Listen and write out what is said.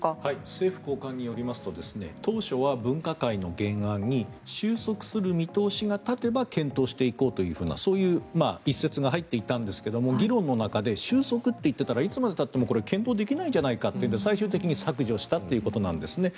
政府高官によりますと当初は分科会の原案に収束する見通しが立てば検討していこうというようなそういう一説が入っていたんですが議論の中で収束と言っていたらいつまでたっても検討できないんじゃないかというので最終的に削除したということなんですね。